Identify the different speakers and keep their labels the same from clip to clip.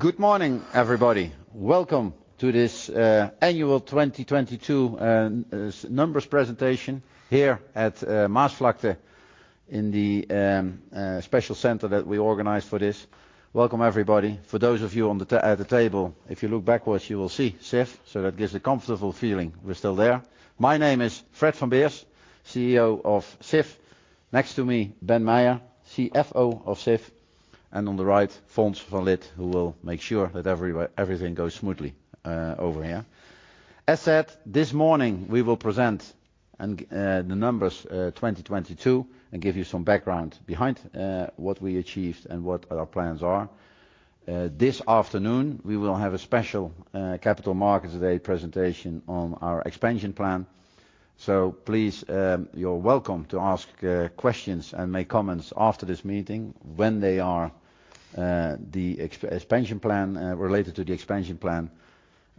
Speaker 1: Good morning, everybody. Welcome to this annual 2022 numbers presentation here at Maasvlakte in the special center that we organized for this. Welcome, everybody. For those of you at the table, if you look backwards, you will see Sif. That gives a comfortable feeling we're still there. My name is Fred van Beers, CEO of Sif. Next to me, Ben Meijer, CFO of Sif, and on the right, Fons van Lith, who will make sure that everything goes smoothly over here. As said, this morning we will present the numbers 2022 and give you some background behind what we achieved and what our plans are. This afternoon, we will have a special capital markets day presentation on our expansion plan. Please, you're welcome to ask questions and make comments after this meeting when they are the expansion plan related to the expansion plan.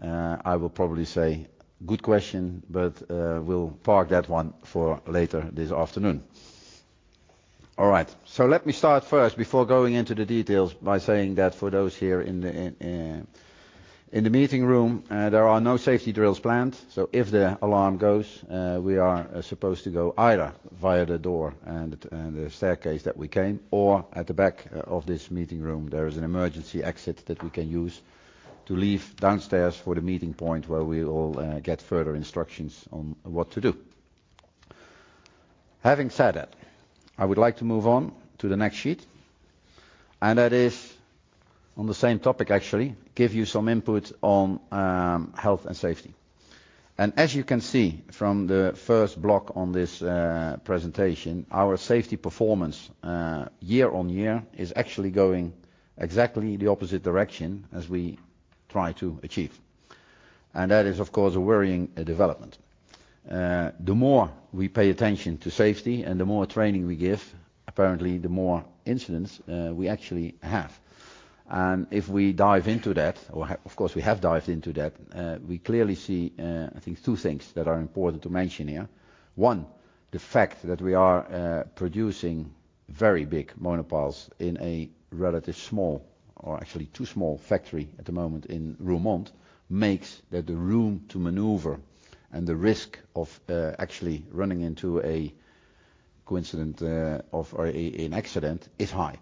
Speaker 1: I will probably say, "Good question, but we'll park that one for later this afternoon." All right, let me start first before going into the details by saying that for those here in the meeting room, there are no safety drills planned, so if the alarm goes, we are supposed to go either via the door and the staircase that we came, or at the back of this meeting room, there is an emergency exit that we can use to leave downstairs for the meeting point where we all get further instructions on what to do. Having said that, I would like to move on to the next sheet, and that is on the same topic, actually, give you some input on health and safety. As you can see from the first block on this presentation, our safety performance year-on-year is actually going exactly the opposite direction as we try to achieve. That is, of course, a worrying development. The more we pay attention to safety and the more training we give, apparently the more incidents we actually have. If we dive into that, of course, we have dived into that, we clearly see, I think two things that are important to mention here. One, the fact that we are producing very big monopiles in a relative small, or actually too small factory at the moment in Roermond, makes that the room to maneuver and the risk of actually running into a coincident of or an accident is high.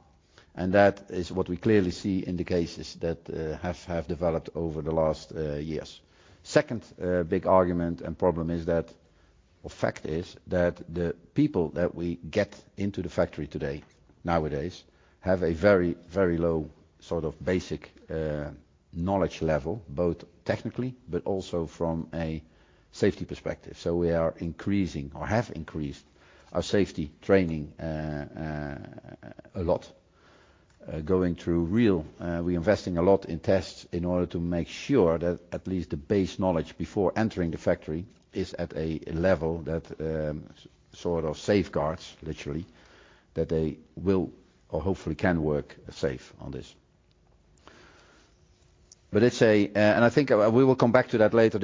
Speaker 1: That is what we clearly see in the cases that have developed over the last years. Second, big argument and problem is that or fact is that the people that we get into the factory today, nowadays, have a very, very low sort of basic knowledge level, both technically but also from a safety perspective. We are increasing or have increased our safety training a lot, going through real, we're investing a lot in tests in order to make sure that at least the base knowledge before entering the factory is at a level that sort of safeguards literally, that they will or hopefully can work safe on this. Let's say, and I think, we will come back to that later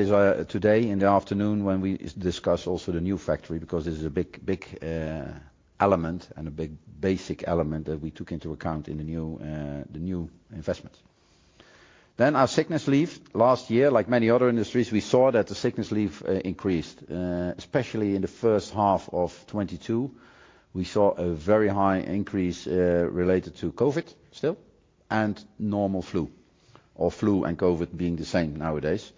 Speaker 1: today in the afternoon when we discuss also the new factory, because this is a big, big element and a big basic element that we took into account in the new, the new investment. Our sickness leave. Last year, like many other industries, we saw that the sickness leave increased especially in the first half of 2022. We saw a very high increase related to COVID still, and normal flu, or flu and COVID being the same nowadays.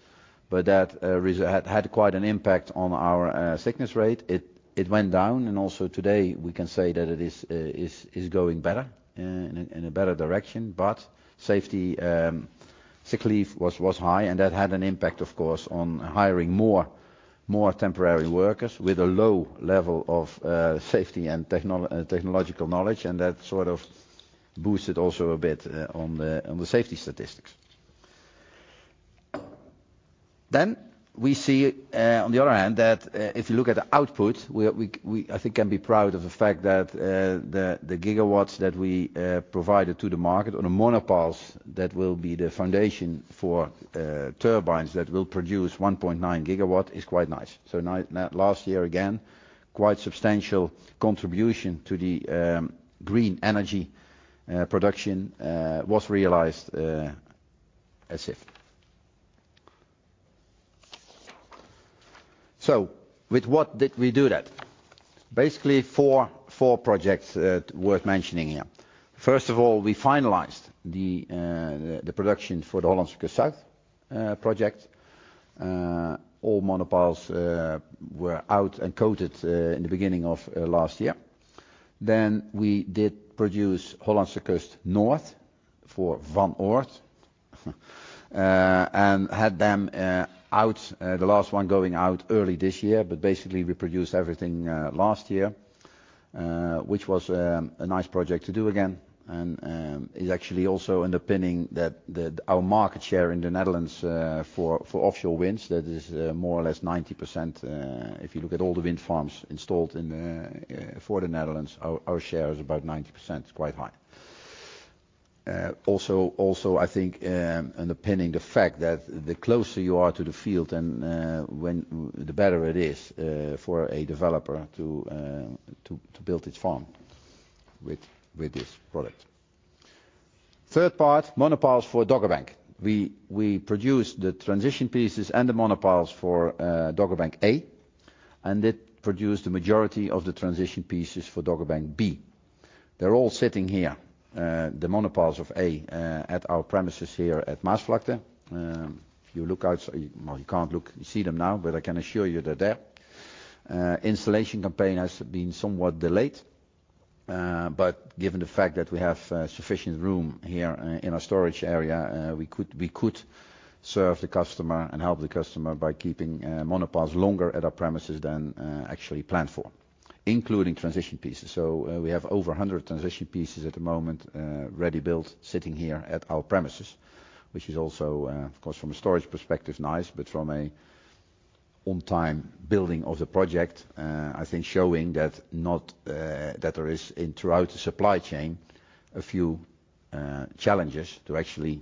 Speaker 1: That had quite an impact on our sickness rate. It went down and also today we can say that it is going better in a better direction. Safety sick leave was high, and that had an impact, of course, on hiring more temporary workers with a low level of safety and technological knowledge, and that sort of boosted also a bit on the safety statistics. We see on the other hand that if you look at the output, we I think can be proud of the fact that the gigawatts that we provided to the market or the monopiles that will be the foundation for turbines that will produce 1.9 GW is quite nice. Last year, again, quite substantial contribution to the green energy production was realized as Sif. With what did we do that? Basically four projects worth mentioning here. First of all, we finalized the production for the Hollandse Kust project. All monopiles were out and coated in the beginning of last year. We did produce Hollandse Kust Noord for Van Oord, and had them out, the last one going out early this year. Basically, we produced everything last year, which was a nice project to do again and is actually also underpinning that our market share in the Netherlands, for offshore winds, that is more or less 90%. If you look at all the wind farms installed in for the Netherlands, our share is about 90%. It's quite high. Also, I think, underpinning the fact that the closer you are to the field and when the better it is for a developer to build its farm with this product. Third part, monopiles for Dogger Bank. We produced the transition pieces and the monopiles for Dogger Bank A, and it produced the majority of the transition pieces for Dogger Bank B. They're all sitting here, the monopiles of A at our premises here at Maasvlakte. Well, you can't look. You see them now, but I can assure you they're there. Installation campaign has been somewhat delayed, but given the fact that we have sufficient room here in our storage area, we could serve the customer and help the customer by keeping monopiles longer at our premises than actually planned for, including transition pieces. We have over 100 transition pieces at the moment, ready-built, sitting here at our premises, which is also, of course from a storage perspective, nice. From a on-time building of the project, I think showing that there is throughout the supply chain, a few challenges to actually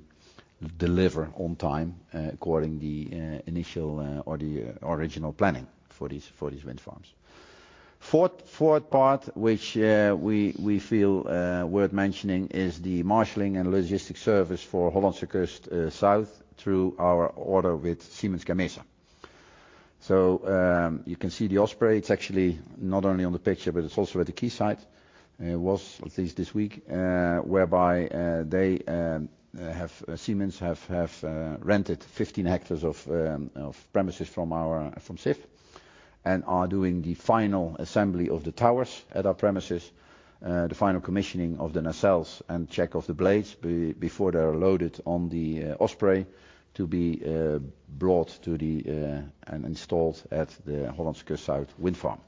Speaker 1: deliver on time, according the initial or the original planning for these wind farms. Fourth part, which we feel worth mentioning is the marshaling and logistic service for Hollandse Kust Zuid through our order with Siemens Gamesa. You can see the Osprey. It's actually not only on the picture, but it's also at the quayside. It was at least this week, whereby Siemens have rented 15 hectares of premises from Sif, and are doing the final assembly of the towers at our premises. The final commissioning of the nacelles and check of the blades before they are loaded on the Osprey to be brought to and installed at the Hollandse Kust Zuid Wind Farm.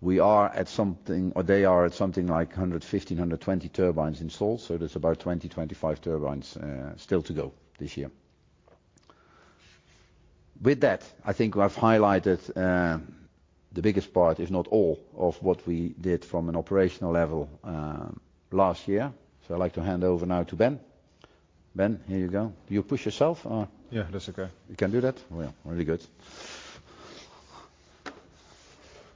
Speaker 1: We are at something, or they are at something like 115, 120 turbines installed, so there's about 20-25 turbines still to go this year. With that, I think I've highlighted the biggest part, if not all, of what we did from an operational level last year. I'd like to hand over now to Ben. Ben, here you go. Do you push yourself or?
Speaker 2: Yeah, that's okay.
Speaker 1: You can do that? Well, really good.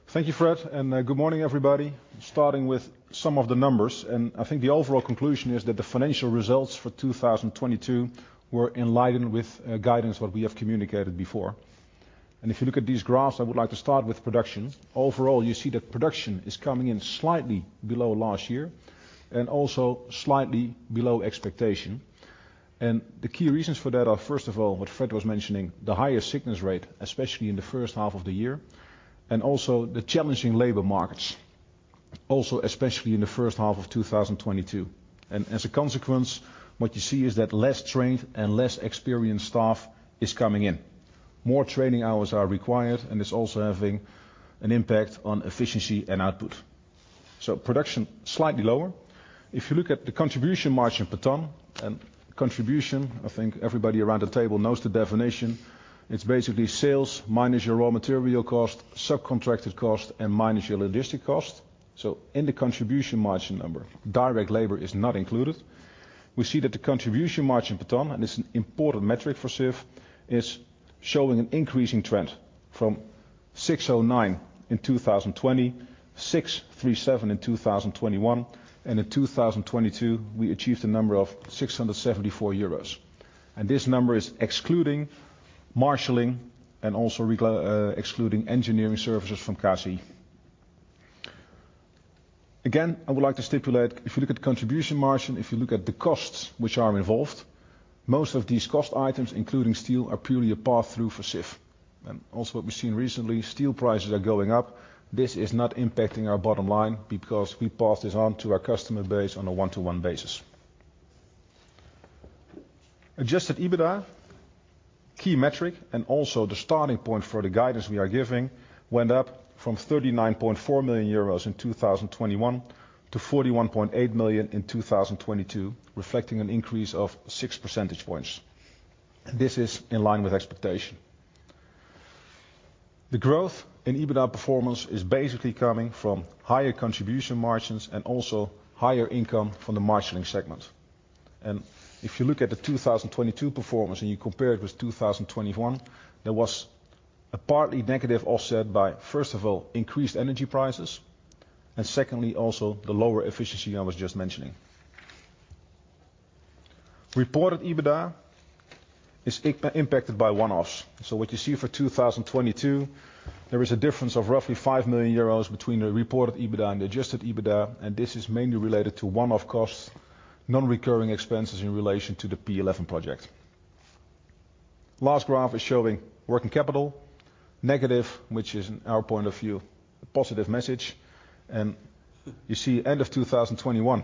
Speaker 2: Thank you, Fred, good morning, everybody. Starting with some of the numbers, and I think the overall conclusion is that the financial results for 2022 were in line with guidance what we have communicated before. If you look at these graphs, I would like to start with production. Overall, you see that production is coming in slightly below last year and also slightly below expectation. The key reasons for that are, first of all, what Fred was mentioning, the highest sickness rate, especially in the first half of the year, and also the challenging labor markets, also especially in the first half of 2022. As a consequence, what you see is that less trained and less experienced staff is coming in. More training hours are required, and it's also having an impact on efficiency and output. Production, slightly lower. If you look at the contribution margin per tonne, and contribution, I think everybody around the table knows the definition. It's basically sales minus your raw material cost, subcontracted cost, and minus your logistic cost. In the contribution margin number, direct labor is not included. We see that the contribution margin per tonne, and this is an important metric for Sif, is showing an increasing trend from 609 in 2020, 637 in 2021, and in 2022, we achieved a number of 674 euros. This number is excluding marshaling and also excluding engineering services from CASI. Again, I would like to stipulate, if you look at the contribution margin, if you look at the costs which are involved, most of these cost items, including steel, are purely a pass-through for Sif. What we've seen recently, steel prices are going up. This is not impacting our bottom line because we pass this on to our customer base on a one-to-one basis. Adjusted EBITDA, key metric, and also the starting point for the guidance we are giving, went up from 39.4 million euros in 2021 to 41.8 million in 2022, reflecting an increase of six percentage points. This is in line with expectation. The growth in EBITDA performance is basically coming from higher contribution margins and also higher income from the marshaling segment. If you look at the 2022 performance and you compare it with 2021, there was a partly negative offset by, first of all, increased energy prices, and secondly, also the lower efficiency I was just mentioning. Reported EBITDA is impacted by one-offs. What you see for 2022, there is a difference of roughly 5 million euros between the reported EBITDA and adjusted EBITDA. This is mainly related to one-off costs, non-recurring expenses in relation to the P11 project. Last graph is showing working capital, negative, which is in our point of view, a positive message. You see end of 2021,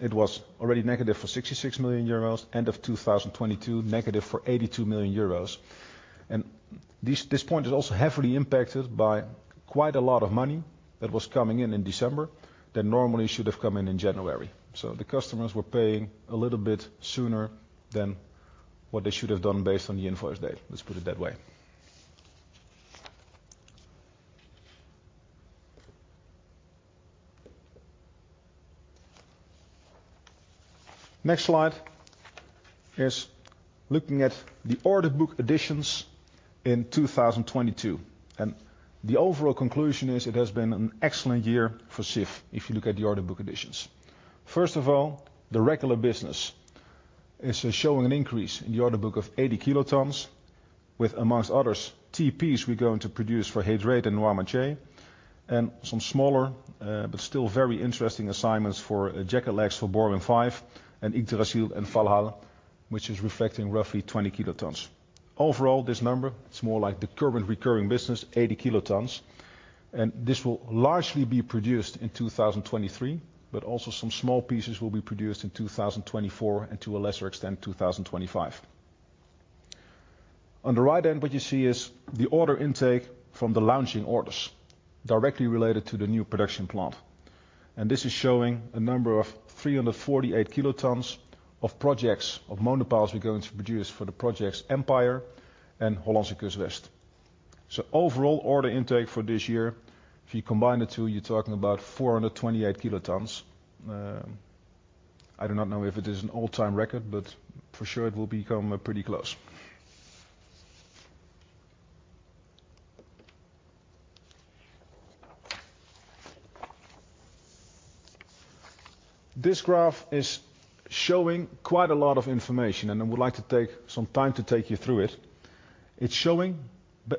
Speaker 2: it was already negative for 66 million euros, end of 2022, negative for 82 million euros. This point is also heavily impacted by quite a lot of money that was coming in in December that normally should have come in in January. The customers were paying a little bit sooner than what they should have done based on the invoice date. Let's put it that way. Next slide is looking at the order book additions in 2022. The overall conclusion is it has been an excellent year for Sif if you look at the order book additions. First of all, the regular business is showing an increase in the order book of 80 kilotons with, amongst others, TPs we're going to produce for Heidrun and Warka, and some smaller, but still very interesting assignments for jacket legs for Borwin5 and Yggdrasil and Valhall, which is reflecting roughly 20 kilotons. Overall, this number is more like the current recurring business, 80 kilotons, and this will largely be produced in 2023, but also some small pieces will be produced in 2024 and to a lesser extent, 2025. On the right-hand what you see is the order intake from the launching orders directly related to the new production plant. This is showing a number of 348 kilotons of projects of monopiles we're going to produce for the projects Empire and Hollandse Kust West. Overall order intake for this year, if you combine the two, you're talking about 428 kilotons. I do not know if it is an all-time record, but for sure it will become pretty close. This graph is showing quite a lot of information, and I would like to take some time to take you through it. It's showing,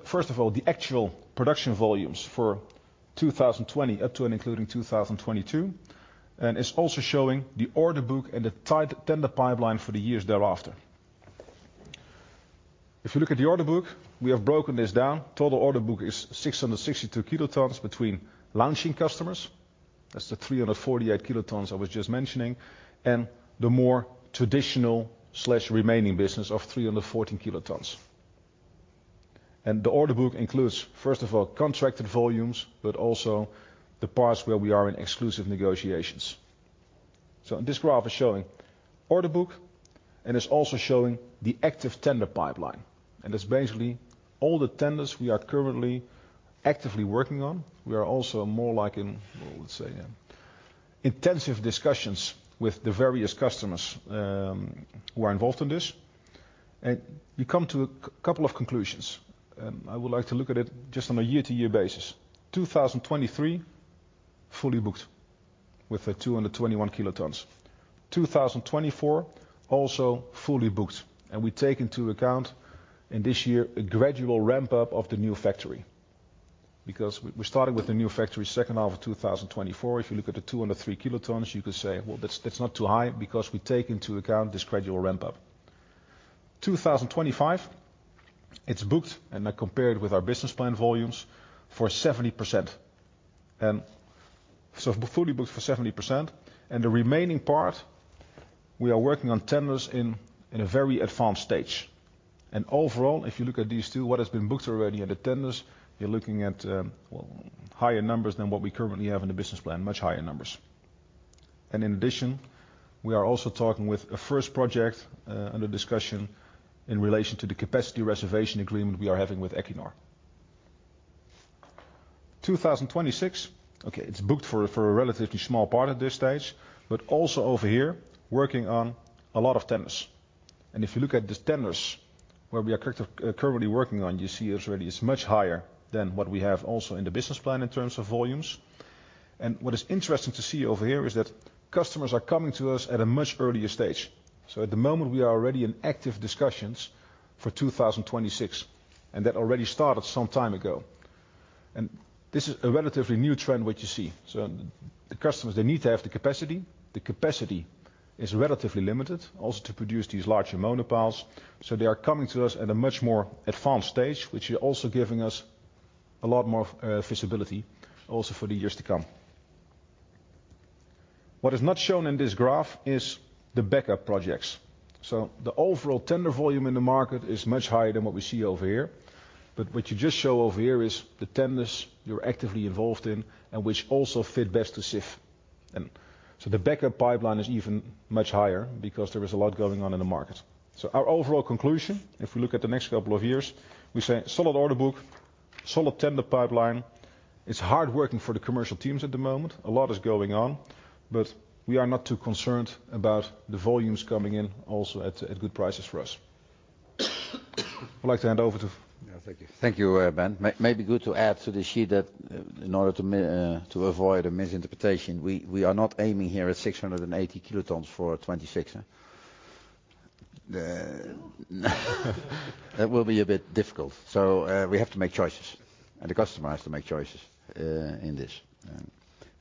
Speaker 2: first of all, the actual production volumes for 2020 up to and including 2022, and it's also showing the order book and the tight tender pipeline for the years thereafter. If you look at the order book, we have broken this down. Total order book is 662 kilotons between launching customers, that's the 348 kilotons I was just mentioning, and the more traditional/remaining business of 314 kilotons. The order book includes, first of all, contracted volumes, but also the parts where we are in exclusive negotiations. This graph is showing order book, and it's also showing the active tender pipeline. That's basically all the tenders we are currently actively working on. We are also more like in, well, let's say, intensive discussions with the various customers, who are involved in this. We come to a couple of conclusions, and I would like to look at it just on a year-to-year basis. 2023, fully booked with 221 kilotons. 2024, also fully booked. We take into account in this year a gradual ramp up of the new factory, because we're starting with the new factory second half of 2024. If you look at the 203 kilotons, you could say, "Well, that's not too high," because we take into account this gradual ramp up. 2025, it's booked, and I compared with our business plan volumes for 70%. Fully booked for 70%, and the remaining part we are working on tenders in a very advanced stage. Overall, if you look at these two, what has been booked already and the tenders, you're looking at higher numbers than what we currently have in the business plan, much higher numbers. In addition, we are also talking with a first project under discussion in relation to the capacity reservation agreement we are having with Equinor. 2026, okay, it's booked for a relatively small part at this stage, but also over here, working on a lot of tenders. If you look at these tenders where we are currently working on, you see already it's much higher than what we have also in the business plan in terms of volumes. What is interesting to see over here is that customers are coming to us at a much earlier stage. At the moment, we are already in active discussions for 2026, and that already started some time ago. This is a relatively new trend, what you see. The customers, they need to have the capacity. The capacity is relatively limited also to produce these larger monopiles. They are coming to us at a much more advanced stage, which is also giving us a lot more visibility also for the years to come. What is not shown in this graph is the backup projects. The overall tender volume in the market is much higher than what we see over here. What you just show over here is the tenders you're actively involved in and which also fit best to Sif. The backup pipeline is even much higher because there is a lot going on in the market. Our overall conclusion, if we look at the next couple of years, we say solid order book, solid tender pipeline. It's hard working for the commercial teams at the moment. A lot is going on, we are not too concerned about the volumes coming in also at good prices for us. I'd like to hand over.
Speaker 1: Yeah. Thank you. Thank you, Ben. May be good to add to this sheet that in order to avoid a misinterpretation, we are not aiming here at 680 kilotons for 2026, huh? That will be a bit difficult. We have to make choices, and the customer has to make choices in this.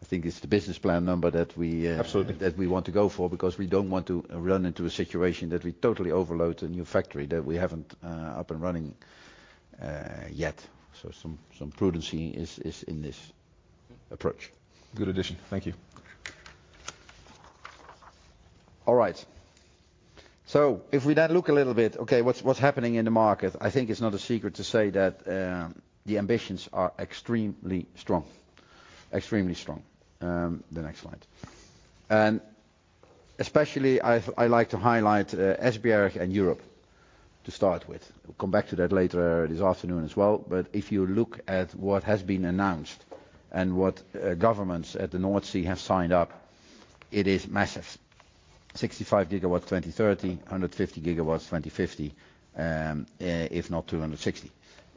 Speaker 1: I think it's the business plan number that we.
Speaker 2: Absolutely...
Speaker 1: that we want to go for because we don't want to run into a situation that we totally overload the new factory that we haven't up and running yet. Some prudency is in this approach.
Speaker 2: Good addition. Thank you.
Speaker 1: All right. If we then look a little bit, okay, what's happening in the market, I think it's not a secret to say that the ambitions are extremely strong. Extremely strong. The next slide. Especially I like to highlight Esbjerg and Europe to start with. We'll come back to that later this afternoon as well. If you look at what has been announced and what governments at the North Sea have signed up, it is massive. 65 GW, 2030, 150 GW, 2050, if not 260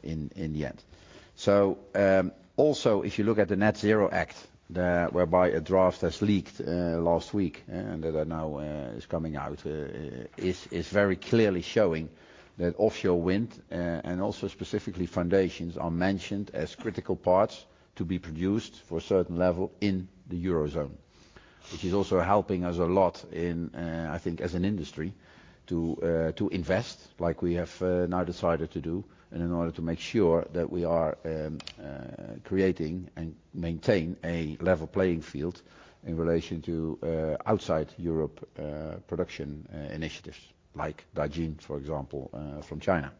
Speaker 1: in the end. Also, if you look at the Net-Zero Industry Act, whereby a draft has leaked last week and that is coming out, is very clearly showing that offshore wind and also specifically foundations are mentioned as critical parts to be produced for a certain level in the Eurozone, which is also helping us a lot in I think as an industry to invest like we have now decided to do and in order to make sure that we are creating and maintain a level playing field in relation to outside Europe production initiatives like Dajin, for example, from China.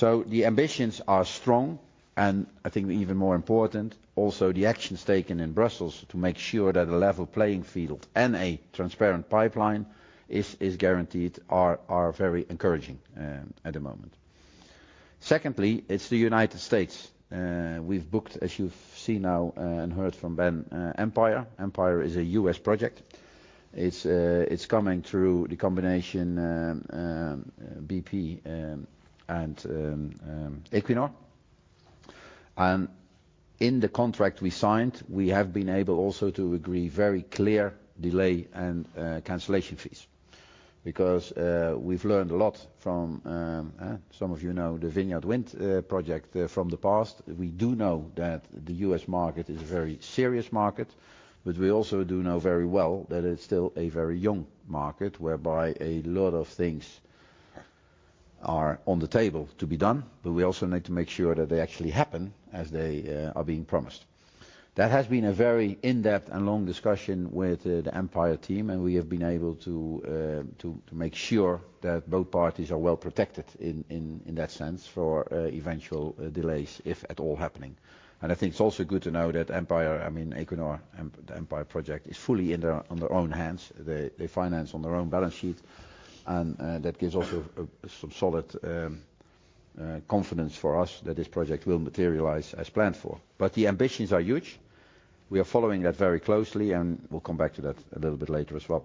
Speaker 1: The ambitions are strong, and I think even more important, also te actions taken in Brussels to make sure that a level playing field and a transparent pipeline is guaranteed are very encouraging at the moment. Secondly, it's the United States. We've booked, as you've seen now, and heard from Ben, Empire. Empire is a US project. It's coming through the combination BP and Equinor. In the contract we signed, we have been able also to agree very clear delay and cancellation fees because we've learned a lot from some of you know, the Vineyard Wind project from the past. We do know that the U.S. market is a very serious market. We also do know very well that it's still a very young market whereby a lot of things are on the table to be done, but we also need to make sure that they actually happen as they are being promised. That has been a very in-depth and long discussion with the Empire team, and we have been able to make sure that both parties are well protected in that sense for eventual delays, if at all happening. I think it's also good to know that Empire, I mean Equinor, the Empire project is fully in their, on their own hands. They finance on their own balance sheet and that gives also some solid confidence for us that this project will materialize as planned for. The ambitions are huge. We are following that very closely, and we'll come back to that a little bit later as well.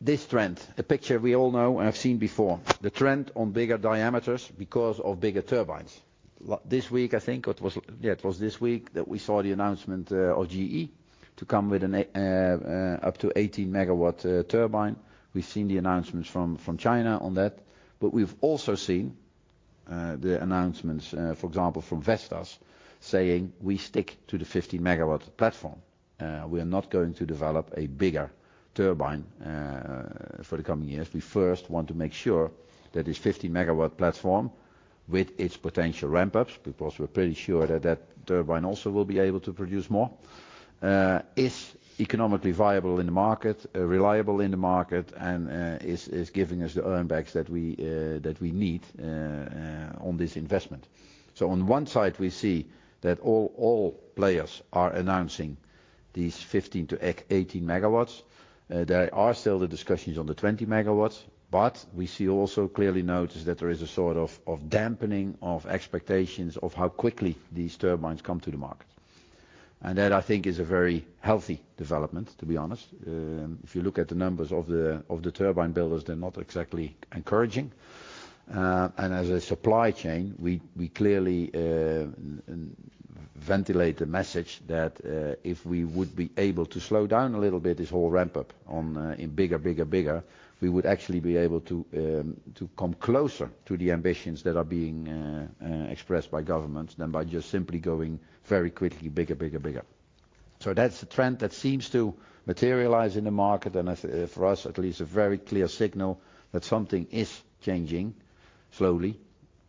Speaker 1: This trend, a picture we all know and have seen before, the trend on bigger diameters because of bigger turbines. This week, I think, or it was, yeah, it was this week that we saw the announcement of GE to come with an up to 80 MW turbine. We've seen the announcements from China on that, we've also seen the announcements, for example, from Vestas saying, "We stick to the 50 MW platform. We are not going to develop a bigger turbine for the coming years. We first want to make sure that this 50 MW platform with its potential ramp-ups," because we're pretty sure that that turbine also will be able to produce more, "is economically viable in the market, reliable in the market, and is giving us the earnbacks that we need on this investment." On one side, we see that all players are announcing these 15-18 MW. There are still the discussions on the 20 MW but we see also clearly notice that there is a sort of dampening of expectations of how quickly these turbines come to the market. That I think is a very healthy development, to be honest. If you look at the numbers of the turbine builders, they're not exactly encouraging. As a supply chain, we clearly ventilate the message that if we would be able to slow down a little bit this whole ramp-up on in bigger, bigger, we would actually be able to come closer to the ambitions that are being expressed by governments than by just simply going very quickly, bigger, bigger. That's the trend that seems to materialize in the market, and for us at least a very clear signal that something is changing slowly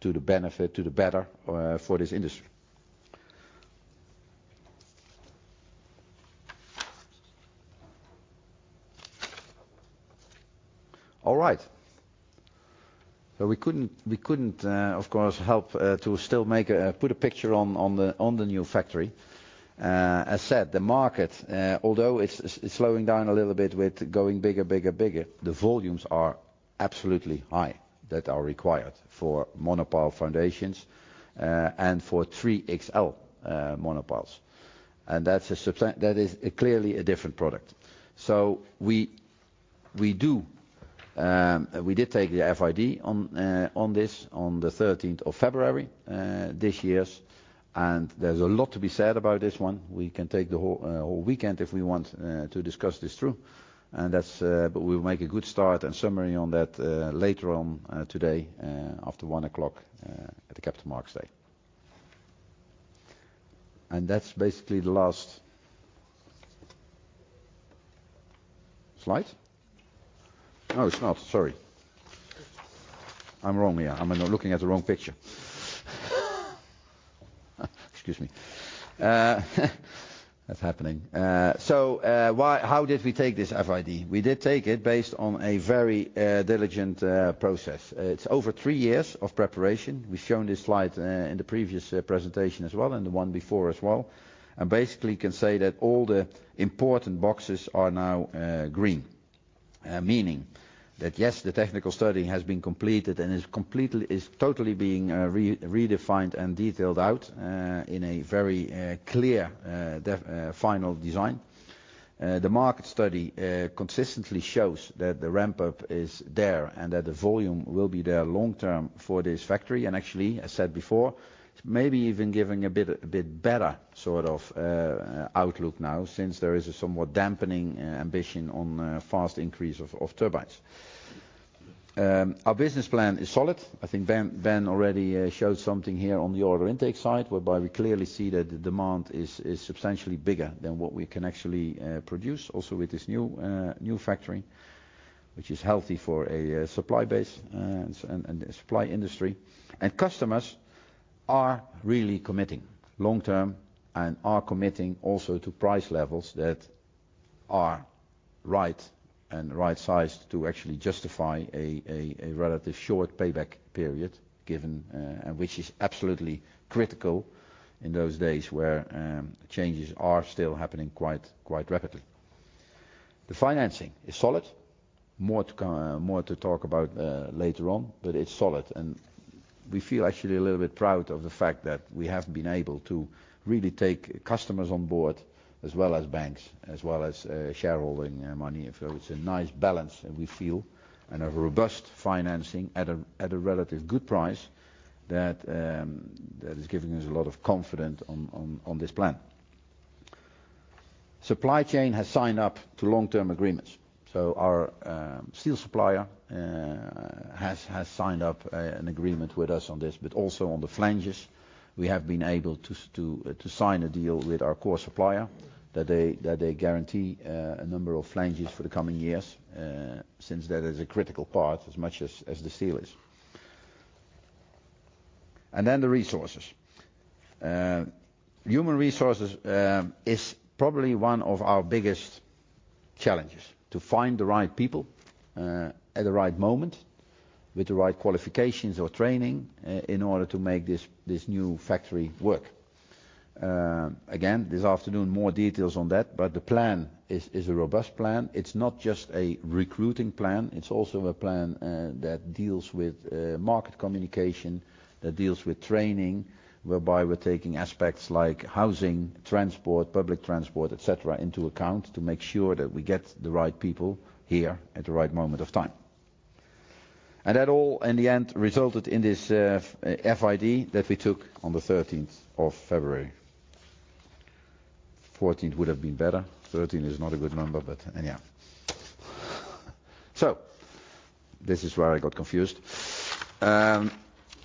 Speaker 1: to the benefit, to the better for this industry. All right. We couldn't, of course, help to still make a, put a picture on the new factory. As said, the market, although it's slowing down a little bit with going bigger, bigger, the volumes are absolutely high that are required for monopile foundations, and for three XL monopiles. That is clearly a different product. We, we do, we did take the FID on this on the 13th of February, this year's, and there's a lot to be said about this one. We can take the whole whole weekend if we want to discuss this through. That's. We'll make a good start and summary on that later on today after 1:00 P.M. at the Capital Markets Day. That's basically the last slide. No, it's not. Sorry. I'm wrong here. I'm looking at the wrong picture. Excuse me. That's happening. Why, how did we take this FID? We did take it based on a very diligent process. It's over three years of preparation. We've shown this slide in the previous presentation as well and the one before as well. Basically can say that all the important boxes are now green. Meaning that, yes, the technical study has been completed and is totally being redefined and detailed out in a very clear final design. The market study consistently shows that the ramp up is there and that the volume will be there long-term for this factory. As said before, maybe even giving a bit better sort of outlook now since there is a somewhat dampening ambition on fast increase of turbines. Our business plan is solid. I think Ben already showed something here on the order intake side, whereby we clearly see that the demand is substantially bigger than what we can actually produce also with this new factory, which is healthy for a supply base and the supply industry. Customers are really committing long-term and are committing also to price levels that are right and right-sized to actually justify a relative short payback period, given, and which is absolutely critical in those days where changes are still happening quite rapidly. The financing is solid. More to talk about later on, but it's solid. We feel actually a little bit proud of the fact that we have been able to really take customers on board as well as banks, as well as shareholding money. It's a nice balance that w e feel and a robust financing at a relative good price that is giving us a lot of confidence on this plan. Supply chain has signed up to long-term agreements. Our steel supplier has signed up an agreement with us on this. Also on the flanges, we have been able to sign a deal with our core supplier that they guarantee a number of flanges for the coming years, since that is a critical part as much as the steel is. Then the resources. Human resources is probably one of our biggest challenges to find the right people at the right moment with the right qualifications or training in order to make this new factory work. Again, this afternoon, more details on that, but the plan is a robust plan. It's not just a recruiting plan, it's also a plan that deals with market communication, that deals with training, whereby we're taking aspects like housing, transport, public transport, et cetera, into account to make sure that we get the right people here at the right moment of time. That all in the end resulted in this FID that we took on the 13th of February. 14th would have been better. 13 is not a good number, but anyhow. This is where I got confused.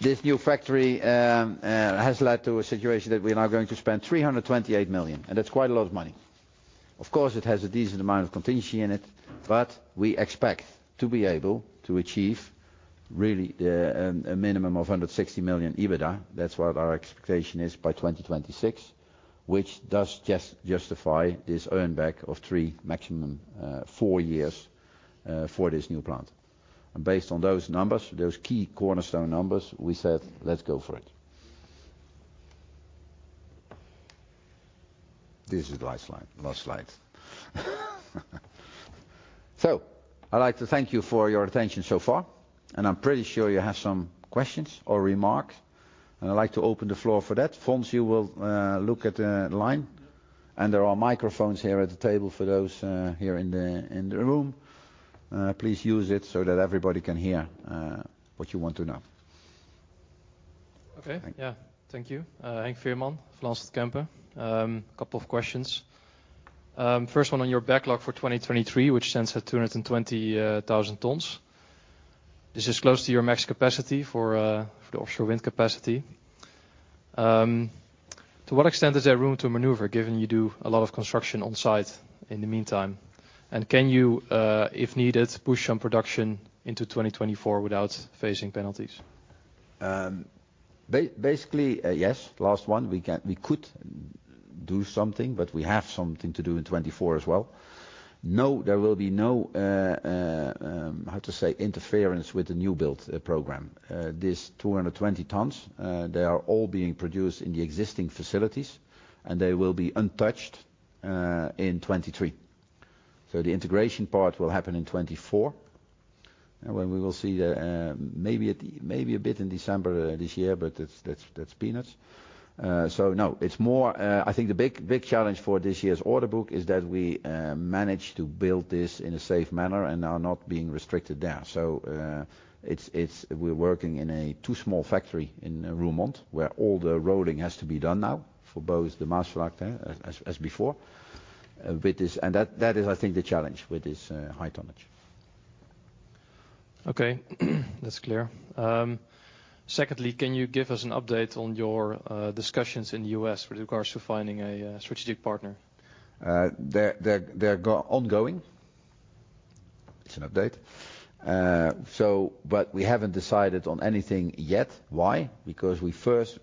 Speaker 1: This new factory has le d to a situation that we are now going to spend 328 million, that's quite a lot of money. Of course, it has a decent amount of contingency in it, we expect to be able to achieve really a minimum of 160 millon EBITDA. That's what our expectation is by 2026, which does justify this earn back of three, maximum, four years for this new plant. Based on those numbers, those key cornerstone numbers, we said, "Let's go for it." This is the last slide. I'd like to thank you for your attention so far. I'm pretty sure you have some questions or remarks. I'd like to open the floor for that. Fons, you will look at the line. There are microphones here at the table for those, here in the room. Please use it so that everybody can hear what you want to know.
Speaker 3: Okay.
Speaker 1: Thank you.
Speaker 3: Yeah. Thank you. Henk Veerman, Van Lanschot Kempen. A couple of questions. First one on your backlog for 2023, which stands at 220,000 tons. This is close to your max capacity for the offshore wind capacity. To what extent is there room to maneuver given you do a lot of construction on site in the meantime? Can you, if needed, push some production into 2024 without facing penalties?
Speaker 1: Basically, yes. Last one, we could do something, but we have something to do in 2024 as well. There will be no, how to say, interference with the new build program. This 220 tons, they are all being produced in the existing facilities, and they will be untouched in 2023. The integration part will happen in 2024, when we will see the maybe a bit in December this year, but that's peanuts. No. It's more, I think the big challenge for this year's order book is that we manage to build this in a safe manner and are not being restricted there. we're working in a too small factory in Roermond, where all the rolling has to be done now for both the Maasvlakte, as before, with this. That is, I think, the challenge with this high tonnage.
Speaker 3: Okay. That's clear. Secondly, can you give us an update on your discussions in the U.S. with regards to finding a strategic partner?
Speaker 1: They're ongoing. It's an update. But we haven't decided on anything yet. Why? Because we first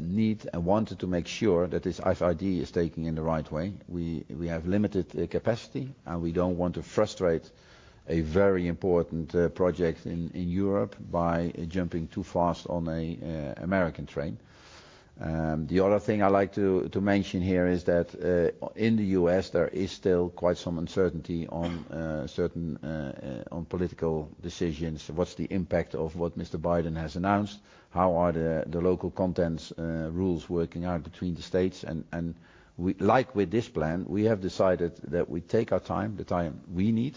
Speaker 1: need and wanted to make sure that this FID is taking in the right way. We have limited capacity, and we don't want to frustrate a very important project in Europe by jumping too fast on a American train. The other thing I like to mention here is that in the US, there is still quite some uncertainty on certain political decisions. What's the impact of what Mr. Biden has announced? How are the local contents rules working out between the states? Like with this plan, we have decided that we take our time, the time we need,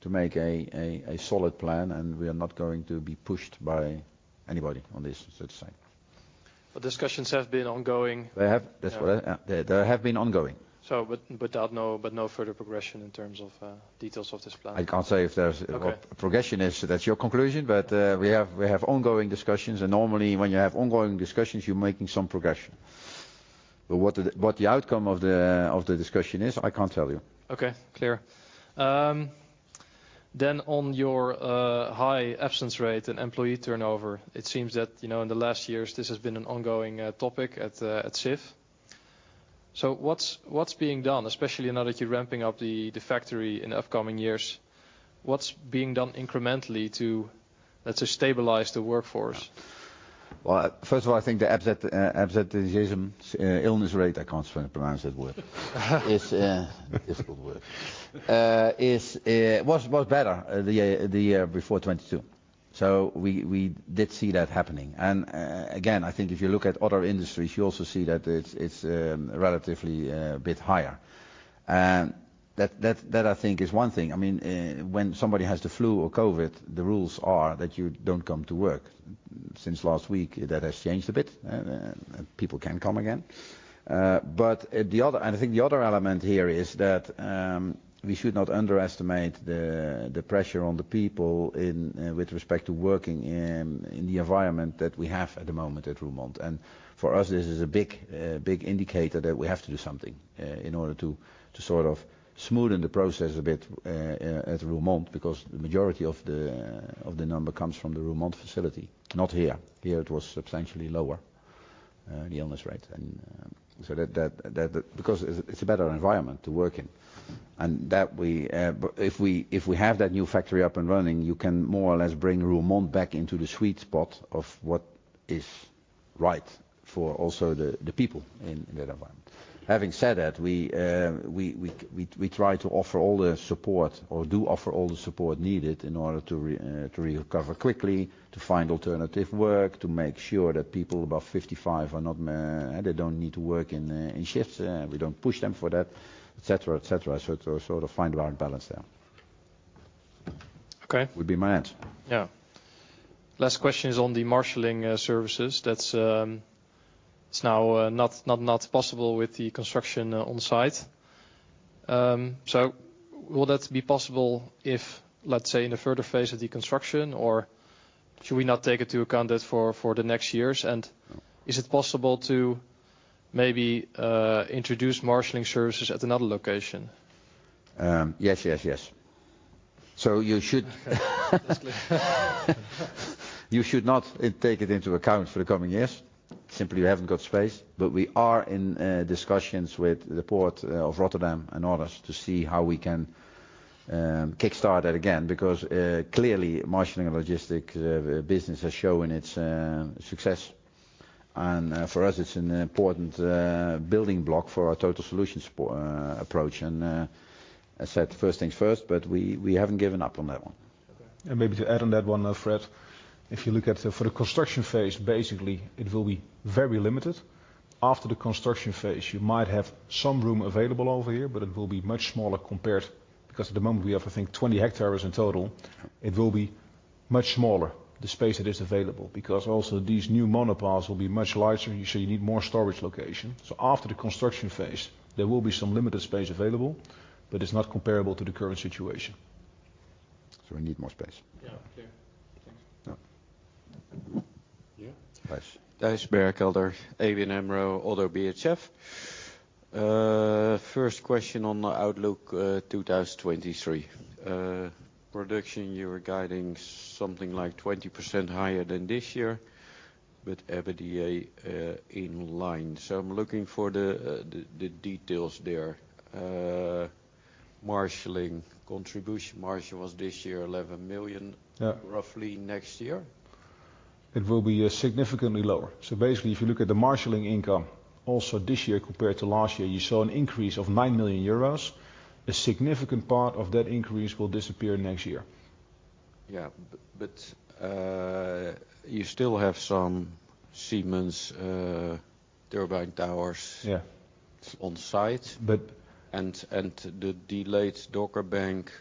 Speaker 1: to make a solid plan, and we are not going to be pushed by anybody on this, so to say.
Speaker 3: Discussions have been ongoing?
Speaker 1: They have. They have been ongoing.
Speaker 3: No further progression in terms of details of this plan?
Speaker 1: I can't say if there's-
Speaker 3: Okay.
Speaker 1: Progression is, that's your conclusion. We have ongoing discussions, and normally when you have ongoing discussions, you're making some progression. What the outcome of the discussion is, I can't tell you.
Speaker 3: Okay. Clear. On your high absence rate and employee turnover, it seems that, you know, in the last years this has been an ongoing topic at Sif. What's being done, especially now that you're ramping up the factory in the upcoming years, what's being done incrementally to, let's say, stabilize the workforce?
Speaker 1: Well, first of all, I think the absenteeism, illness rate, I can't pronounce that word. It's a difficult word. Was better the year before 2022. We did see that happening. Again, I think if you look at other industries, you also see that it's relatively a bit higher. That I think is one thing. I mean, when somebody has the flu or COVID, the rules are that you don't come to work. Since last week, that has changed a bit. People can come again. I think the other element here is that we should not underestimate the pressure on the people in with respect to working in the environment that we have at the moment at Roermond. For us, this is a big indicator that we have to do something in order to sort of smoothen the process a bit at Roermond, because the majority of the number comes from the Roermond facility, not here. Here it was substantially lower, the illness rate. Because it's a better environment to work in. That we, but if we have that new factory up and running, you can more or less bring Roermond back into the sweet spot of what is right for also the people in that environment. Having said that, we try to offer all the support, or do offer all the support needed in order to recover quickly, to find alternative work, to make sure that people above 55 are not. They don't need to work in shifts. We don't push them for that, et cetera, et cetera. To sort of find the right balance there.
Speaker 3: Okay.
Speaker 1: Would be my answer.
Speaker 3: Last question is on the marshaling services. That's, it's now not possible with the construction on site. Will that be possible if, let's say, in a further phase of the construction, or should we not take into account that for the next years? Is it possible to maybe introduce marshaling services at another location?
Speaker 1: Yes, yes.
Speaker 3: That's good.
Speaker 1: You should not take it into account for the coming years. Simply, we haven't got space. We are in discussions with the port of Rotterdam and others to see how we can kickstart that again, because clearly, marshaling and logistic business is showing its success. For us, it's an important building block for our total solution approach. I said first things first, we haven't given up on that one.
Speaker 3: Okay.
Speaker 2: Maybe to add on that one, Fred, if you look at for the construction phase, basically it will be very limited. After the construction phase, you might have some room available over here, but it will be much smaller compared, because at the moment we have, I think, 20 hectares in total. It will be much smaller, the space that is available. Also these new monopiles will be much larger, so you need more storage location. After the construction phase, there will be some limited space available, but it's not comparable to the current situation.
Speaker 1: We need more space.
Speaker 3: Yeah. Okay. Thanks.
Speaker 1: Yeah.
Speaker 3: Yeah.
Speaker 1: Thijs.
Speaker 4: Thijs Berkelder, ABN AMRO ODDO BHF. First question on the outlook, 2023. Production, you were guiding something like 20% higher than this year, but EBITDA, in line. I'm looking for the details there. Marshaling contribution margin was this year 11 million.
Speaker 2: Yeah.
Speaker 4: Roughly next year?
Speaker 2: It will be significantly lower. Basically, if you look at the marshaling income, also this year compared to last year, you saw an increase of 9 million euros. A significant part of that increase will disappear next year.
Speaker 4: Yeah. you still have some Siemens turbine towers.
Speaker 2: Yeah
Speaker 4: on site.
Speaker 2: But-
Speaker 4: The delayed Dogger Bank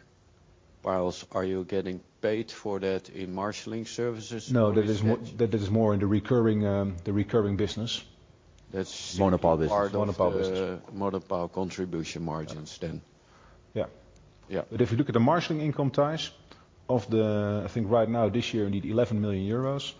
Speaker 4: piles, are you getting paid for that in marshaling services?
Speaker 2: No. That is more in the recurring business.
Speaker 4: That's-
Speaker 1: Monopile business.
Speaker 4: ...part of the monopile contribution margins then?
Speaker 2: Yeah.
Speaker 4: Yeah.
Speaker 2: If you look at the marshaling income, Thijs, I think right now, this year, you need 11 million euros.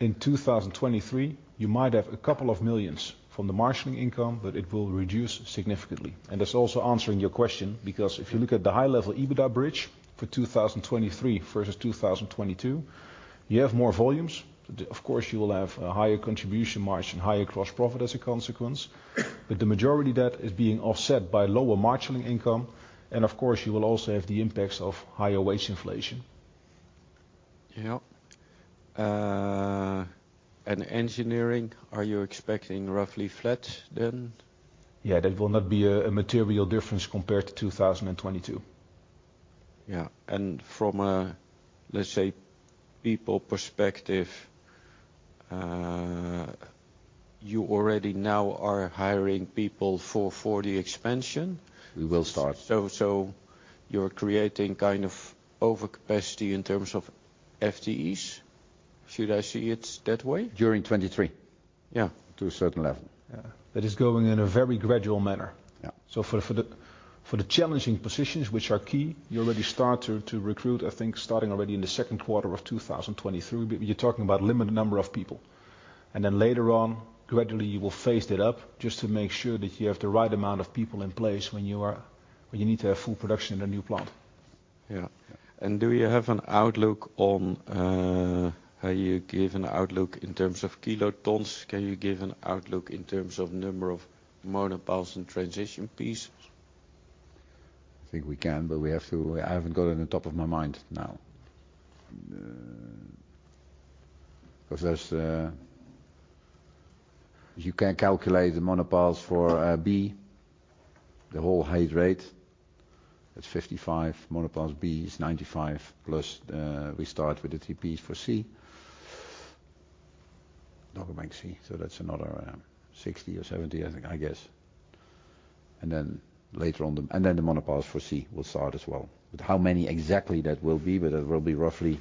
Speaker 2: In 2023, you might have a couple of million EUR from the marshaling income, but it will reduce significantly. That's also answering your question, because if you look at the high-level EBITDA bridge for 2023 versus 2022, you have more volumes. Of course, you will have a higher contribution margin, higher gross profit as a consequence, but the majority of that is being offset by lower marshaling income, and of course, you will also have the impacts of higher wage inflation.
Speaker 4: Yeah. Engineering, are you expecting roughly flat then?
Speaker 1: Yeah. There will not be a material difference compared to 2022.
Speaker 4: Yeah. From a, let's say, people perspective, you already now are hiring people for the expansion?
Speaker 1: We will start.
Speaker 4: You're creating kind of over capacity in terms of FTEs? Should I see it that way?
Speaker 1: During 2023.
Speaker 4: Yeah.
Speaker 1: To a certain level.
Speaker 2: Yeah. That is growing in a very gradual manner.
Speaker 1: Yeah.
Speaker 2: For the, for the challenging positions, which are key, you already start to recruit, I think, starting already in the second quarter of 2023. You're talking about limited number of people. Later on, gradually you will phase that up, just to make sure that you have the right amount of people in place when you need to have full production in the new plant.
Speaker 4: Do you have an outlook on how you give an outlook in terms of kilo tons? Can you give an outlook in terms of number of monopiles and transition pieces?
Speaker 1: I think we can, but I haven't got it on the top of my mind now. You can calculate the monopiles for B, the He Dreiht. That's 55 monopiles B's, 95+, we start with the TPs for C. Dogger Bank C, that's another 60 or 70, I think, I guess. Later on. The monopiles for C will start as well. How many exactly that will be, but that will be roughly,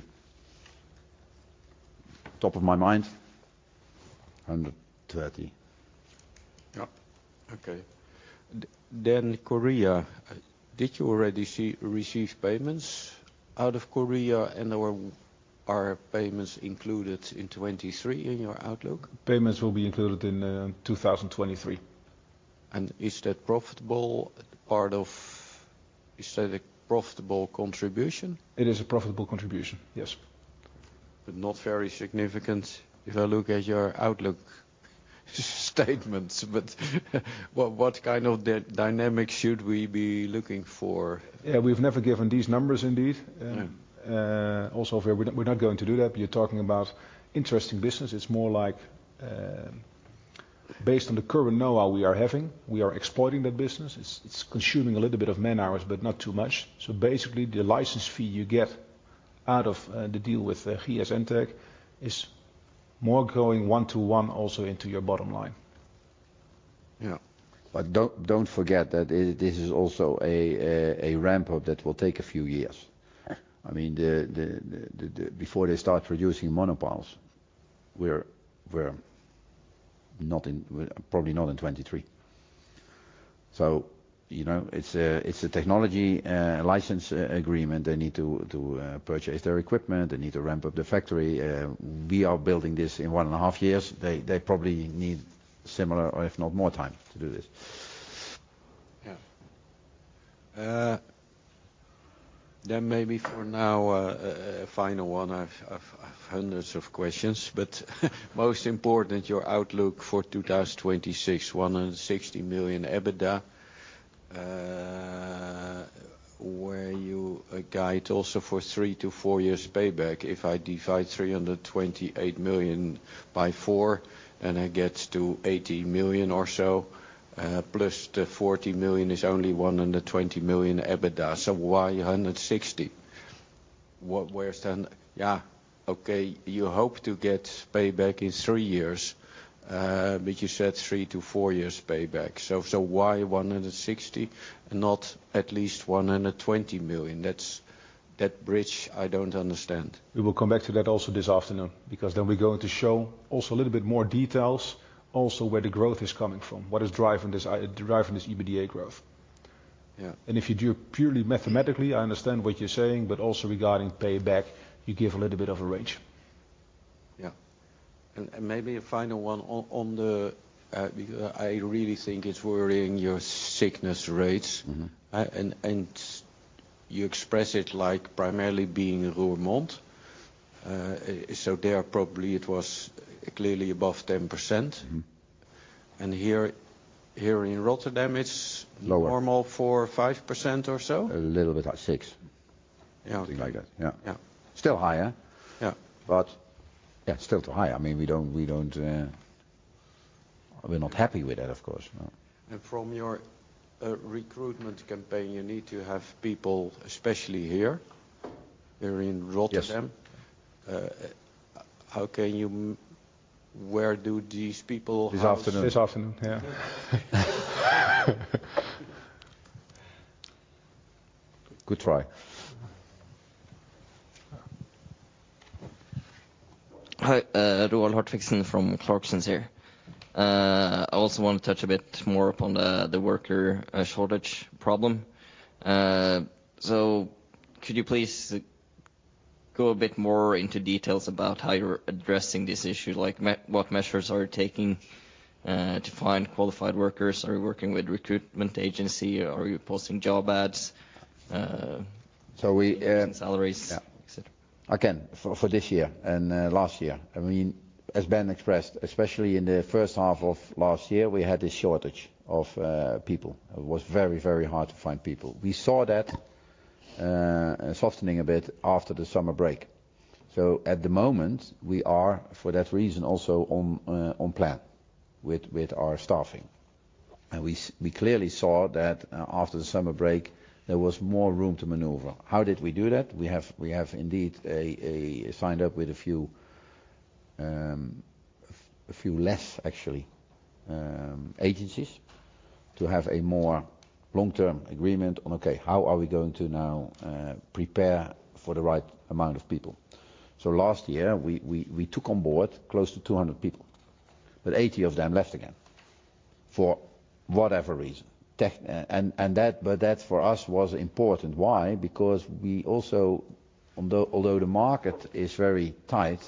Speaker 1: top of my mind, 130.
Speaker 4: Yeah. Okay. Then Korea, did you already receive payments out of Korea and/or are payments included in 2023 in your outlook?
Speaker 2: Payments will be included in, 2023.
Speaker 4: Is that a profitable contribution?
Speaker 2: It is a profitable contribution, yes.
Speaker 4: Not very significant if I look at your outlook statements. What kind of dynamic should we be looking for?
Speaker 2: We've never given these numbers indeed. Also if we're not going to do that, but you're talking about interesting business. It's more like, based on the current knowhow we are having, we are exploiting that business. It's consuming a little bit of man-hours, but not too much. Basically, the license fee you get out of the deal with GS Entec is more going one-to-one also into your bottom line.
Speaker 4: Yeah.
Speaker 1: Don't forget that this is also a ramp-up that will take a few years.
Speaker 4: Yeah.
Speaker 1: I mean, Before they start producing monopiles, we're not in probably not in 23. You know, it's a technology license agreement. They need to purchase their equipment. They need to ramp up the factory. We are building this in one and a half years. They probably need similar or if not more time to do this.
Speaker 4: Yeah. Maybe for now, a final one. I have hundreds of questions, but most important, your outlook for 2026, 160 million EBITDA, where you guide also for three-four years payback. If I divide 328 million by four, and it gets to 80 million or so, plus te 40 million is only 120 million EBITDA. Why 160 million? Where is then? Okay, you hope to get bayback in threeyears, but you said three-four years payback. Why 160 million and not at least 120 million? That bridge I don't understand.
Speaker 2: We will come back to that also this afternoon, because then we're going to show also a little bit more details also where the growth is coming from, what is driving this EBITDA growth.
Speaker 4: Yeah.
Speaker 2: If you do it purely mathematically, I understand what you're saying, but also regarding payback, you give a little bit of a range.
Speaker 4: Yeah. Maybe a final one on the... Because I really think it's worrying, your sickness rates.
Speaker 1: Mm-hmm.
Speaker 4: You express it like primarily being Roermond. There probably it was clearly above 10%.
Speaker 1: Mm-hmm.
Speaker 4: Here in Rotterdam.
Speaker 1: Lower...
Speaker 4: normal for 5% or so?
Speaker 1: A little bit at six.
Speaker 4: Yeah.
Speaker 1: Something like that. Yeah.
Speaker 4: Yeah.
Speaker 1: Still high, huh?
Speaker 4: Yeah.
Speaker 1: Yeah, still too high. I mean, we don't. We're not happy with that, of course. No.
Speaker 4: From your recruitment campaign, you need to have people, especially here in Rotterdam.
Speaker 1: Yes.
Speaker 4: How can you Where do these people house-
Speaker 1: This afternoon.
Speaker 2: This afternoon. Yeah.
Speaker 1: Good try.
Speaker 5: Hi. Roald Hartvigsen from Clarksons here. I also want to touch a bit more upon the worker shortage problem. Could you please go a bit more into details about how you're addressing this issue? Like what measures are you taking to find qualified workers? Are you working with recruitment agency? Are you posting job ads?
Speaker 1: We....
Speaker 5: increasing salaries.
Speaker 1: Yeah.
Speaker 5: Et cetera.
Speaker 1: Again, for this year and last year, I mean-As Ben expressed, especially in the first half of last year, we had a shortage of people. It was very hard to find people. We saw that softening a bit after the summer break. At the moment, we are, for that reason, also on plan with our staffing. We clearly saw that after the summer break, there was more room to maneuver. How did we do that? We have indeed signed up with a few, a few less actually, agencies to have a more long-term agreement on, okay, how are we going to now prepare for the right amount of people? Last year, we took on board close to 200 people, but 80 of them left again for whatever reason. That, but that for us was important. Why? Because we also although the market is very tight,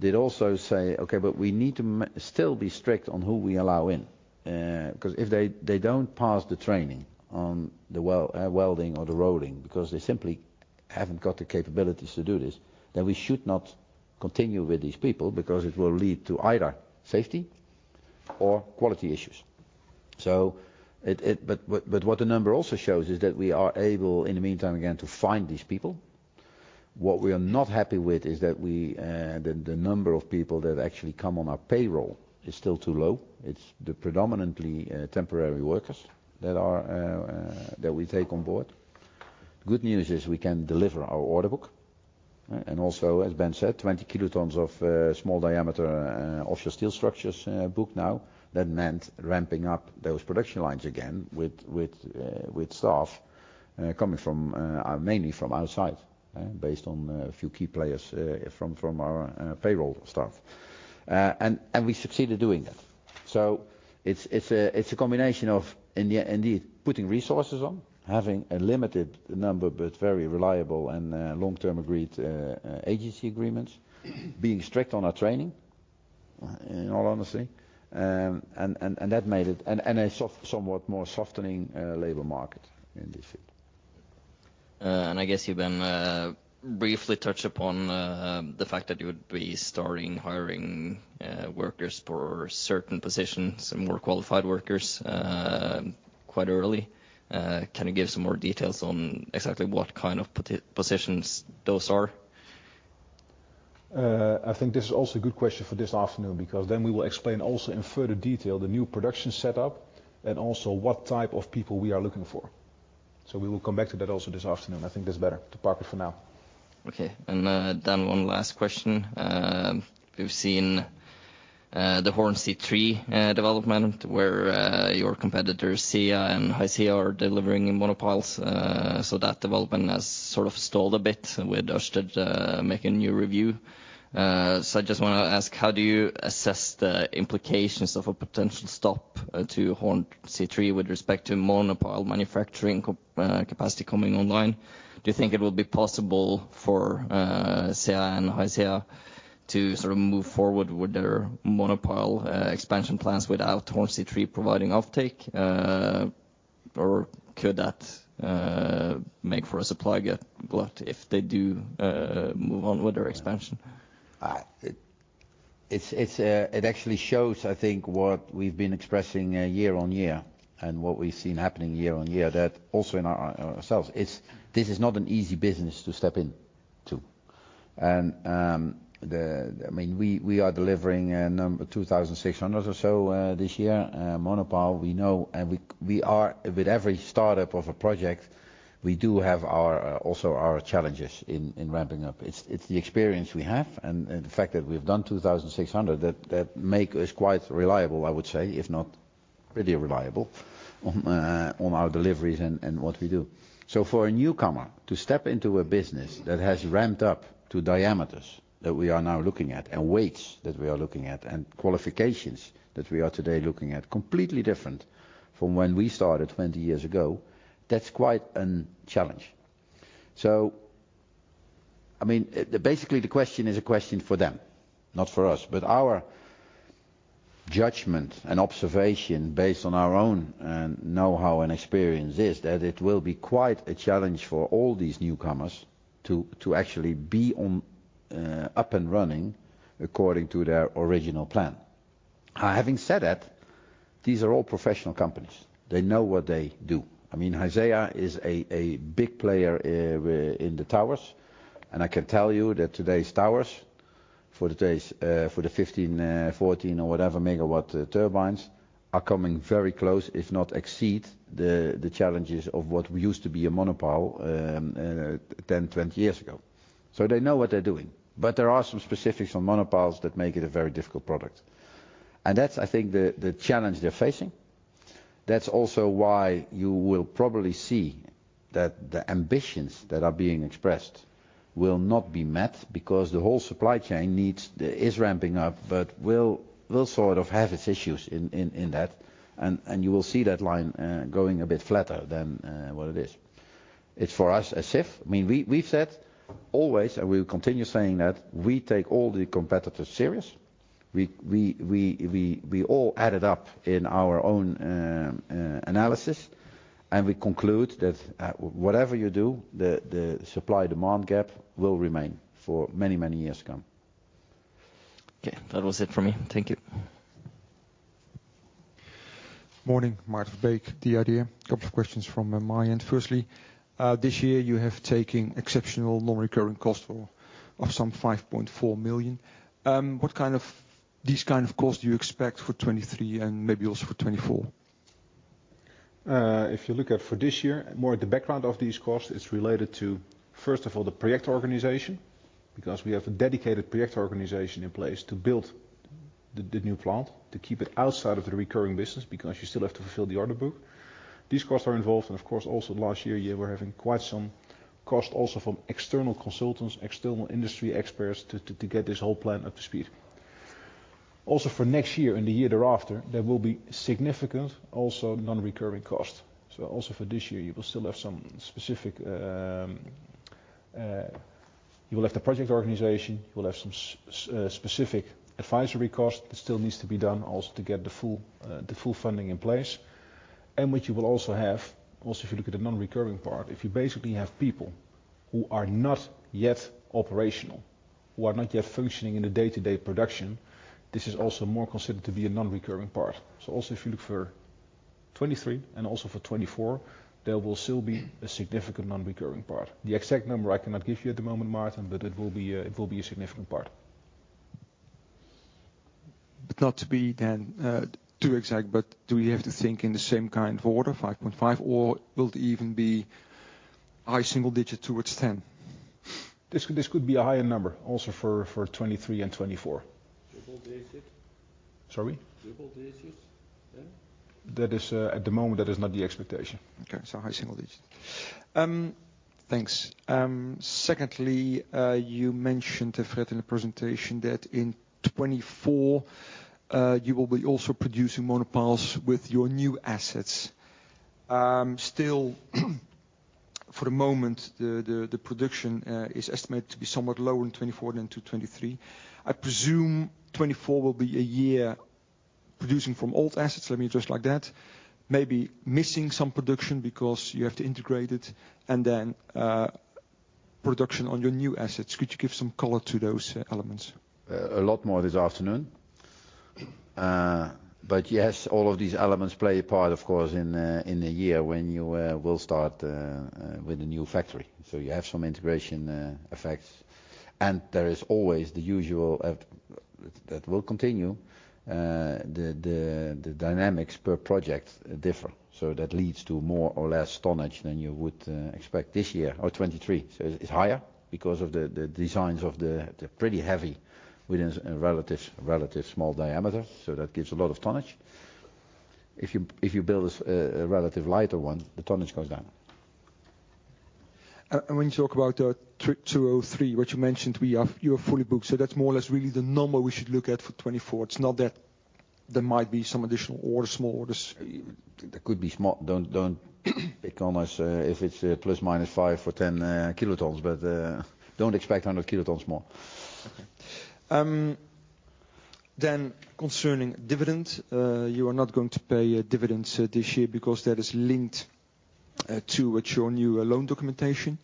Speaker 1: did also say, "Okay, but we need to still be strict on who we allow in." 'Cause if they don't pass the training on the welding or the rolling, because they simply haven't got the capabilities to do this, then we should not continue with these people because it will lead to either safety or quality issues. But what the number also shows is that we are able, in the meantime, again, to find these people. What we are not happy with is that we, the number of people that actually come on our payroll is still too low. It's the predominantly temporary workers that are that we take on board. The good news is we can deliver our order book. Also, as Ben said, 20 kilotons of small diameter offshore steel structures booked now. That meant ramping up those production lines again with staff coming from mainly from outside, based on a few key players from our payroll staff. We succeeded doing that. It's a combination of indeed putting resources on, having a limited number, but very reliable and long-term agreed agency agreements, being strict on our training, in all honesty, and that made it. A soft-somewhat more softening labor market in this field.
Speaker 5: I guess you then briefly touch upon the fact that you would be starting hiring workers for certain positions, some more qualified workers, quite early. Can you give some more details on exactly what kind of positions those are?
Speaker 2: I think this is also a good question for this afternoon, because then we will explain also in further detail the new production setup, and also what type of people we are looking for. We will come back to that also this afternoon. I think that's better to park it for now.
Speaker 5: Then one last question. We've seen the Hornsea Three development where your competitors, SeAH and Haizea are delivering monopiles. That development has sort of stalled a bit with Ørsted making new review. I just want to ask, how do you assess the implications of a potential stop to Hornsea Three with respect to monopile manufacturing capacity coming online? Do you think it will be possible for SeAH and Haizea to sort of move forward with their monopile expansion plans without Hornsea Three providing offtake? Or could that make for a supply glut if they do move on with their expansion?
Speaker 1: It actually shows, I think, what we've been expressing year on year and what we've seen happening year on year, that also in our, ourselves, is this is not an easy business to step into. I mean, we are delivering a number 2,600 or so this year. Monopile, we know, and with every startup of a project, we do have our also our challenges in ramping up. It's the experience we have and the fact that we've done 2,600 that make us quite reliable, I would say, if not pretty reliable on our deliveries and what we do. For a newcomer to step into a business that has ramped up to diameters that we are now looking at and weights that we are looking at and qualifications that we are today looking at, completely different from when we started 20 years ago, that's quite a challenge. I mean, basically, the question is a question for them, not for us. Our judgment and observation based on our own know-how and experience is that it will be quite a challenge for all these newcomers to actually be on up and running according to their original plan. Having said that, these are all professional companies. They know what they do. I mean, SeAH is a big player in the towers, and I can tell you that today's towers for today's for the 15, 14 or whatever megawatt turbines are coming very close, if not exceed, the challenges of what used to be a monopile 10, 20 years ago. They know what they're doing. There are some specifics on monopiles that make it a very difficult product. That's, I think, the challenge they're facing. That's also why you will probably see that the ambitions that are being expressed will not be met because the whole supply chain is ramping up, but will sort of have its issues in that, and you will see that line going a bit flatter than what it is. It's for us, as Sif, I mean, we've said always, and we'll continue saying that we take all the competitors serious. We all add it up in our own analysis. We conclude that whatever you do, the supply demand gap will remain for many years to come.
Speaker 5: Okay. That was it for me. Thank you.
Speaker 6: Morning, Maarten Vae, DRD. Couple of questions from my end. This year you have taken exceptional non-recurring costs of some 5.4 million. What kind of costs do you expect for 2023 and maybe also for 2024?
Speaker 1: If you look at for this year, more at the background of these costs, it's related to, first of all, the project organization, because we have a dedicated project organization in place to build the new plant, to keep it outside of the recurring business, because you still have to fulfill the order book. These costs are involved. Of course, also last year you were having quite some costs also from external consultants, external industry experts to get this whole plan up to speed. For next year, and the year thereafter, there will be significant also non-recurring costs. Also for this year, you will still have some specific. You will have the project organization, you will have some specific advisory costs that still needs to be done also to get the full, the full funding in place. What you will also have, also if you look at the non-recurring part, if you basically have people who are not yet operational, who are not yet functioning in a day-to-day production, this is also more considered to be a non-recurring part. Also if you look for 2023 and also for 2024, there will still be a significant non-recurring part. The exact number I cannot give you at the moment, Maarten, but it will be, it will be a significant part.
Speaker 6: Not to be then, too exact, do we have to think in the same kind of order, 5.5? Will it even be high single digit towards 10?
Speaker 1: This could be a higher number also for 2023 and 2024.
Speaker 6: Triple digits?
Speaker 1: Sorry?
Speaker 6: Triple digits then?
Speaker 1: That is, at the moment, that is not the expectation.
Speaker 6: Okay. High single digits. Thanks. Secondly, you mentioned, Fred, in the presentation that in 2024, you will be also producing monopiles with your new assets. Still for the moment, the production, is estimated to be somewhat lower in 2024 than to 2023. I presume 2024 will be a year producing from old assets, let me address it like that. Maybe missing some production because you have to integrate it and then, production on your new assets. Could you give some color to those elements?
Speaker 1: A lot more this afternoon. Yes, all of these elements play a part of course, in a year when you will start with a new factory. You have some integration effects, and there is always the usual that will continue, the dynamics per project differ. That leads to more or less tonnage than you would expect this year or 23. It's higher because of the designs of the pretty heavy within a relative small diameter. That gives a lot of tonnage. If you build a relative lighter one, the tonnage goes down.
Speaker 6: When you talk about 2023, what you mentioned, you are fully booked, so that's more or less really the number we should look at for 2024. It's not that there might be some additional orders, small orders.
Speaker 1: There could be. Don't pick on us if it's ±5 or 10 kilotons, but don't expect 100 kilotons more.
Speaker 6: Concerning dividend, you are not going to pay a dividend this year because that is linked to what your new loan documentation.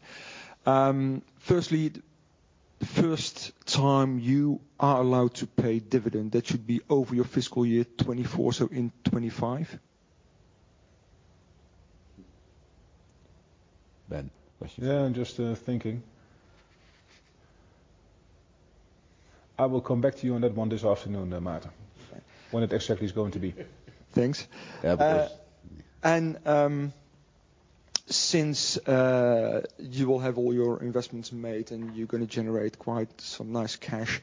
Speaker 6: Firstly, first time you are allowed to pay dividend, that should be over your fiscal year 2024, so in 2025?
Speaker 1: Ben, what's your thought?
Speaker 2: Yeah, I'm just thinking. I will come back to you on that one this afternoon, Maarten.
Speaker 6: Okay.
Speaker 2: When it exactly is going to be.
Speaker 6: Thanks.
Speaker 2: Yeah.
Speaker 6: Since you will have all your investments made and you're going to generate quite some nice cash,